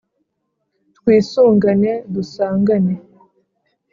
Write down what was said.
twisungane dusangane